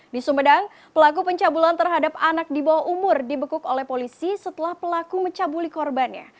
di sumedang pelaku pencabulan terhadap anak di bawah umur dibekuk oleh polisi setelah pelaku mencabuli korbannya